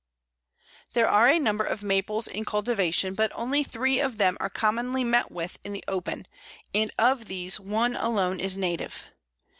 There are a number of Maples in cultivation, but only three of them are commonly met with in the open, and of these one alone is a native.